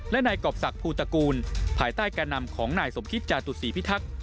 และนายกรอบศักดิภูตระกูลภายใต้การนำของนายสมคิตจาตุศีพิทักษ์